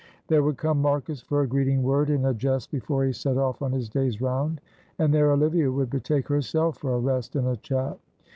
There would come Marcus for a greeting word and a jest before he set off on his day's round, and there Olivia would betake herself for a rest and a chat.